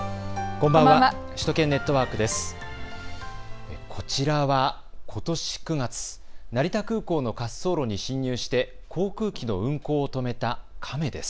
こちらは、ことし９月、成田空港の滑走路に進入して航空機の運航を止めたカメです。